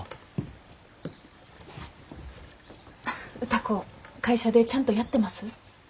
歌子会社でちゃんとやってます？